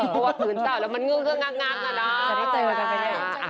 เพราะว่าพื้นเต่าแล้วมันเงื่องเงื่องงักน่ะเนอะ